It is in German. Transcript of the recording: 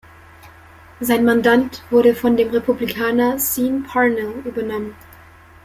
Sein Mandat wurde von dem Republikaner Sean Parnell übernommen.